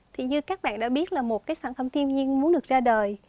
thì như các bạn đã biết là một sản phẩm tiên nhiên muốn được ra đời